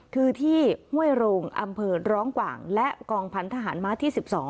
คือที่ห้วยโรงอำเภอร้องกว่างและกองพันธหารม้าที่๑๒